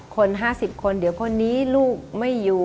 คน๕๐คนเดี๋ยวคนนี้ลูกไม่อยู่